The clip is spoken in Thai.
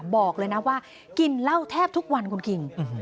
บอกเลยนะว่ากินเหล้าแทบทุกวันคุณคิง